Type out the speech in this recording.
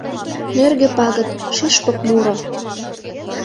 Нӧргӧ пагыт — шӱшпык муро.